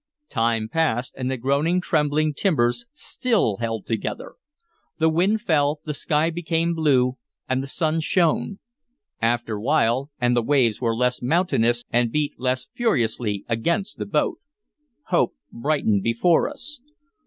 Time passed, and the groaning, trembling timbers still held together. The wind fell, the sky became blue, and the sun shone. Another while, and the waves were less mountainous and beat less furiously against the boat. Hope brightened before us.